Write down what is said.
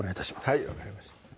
はい分かりました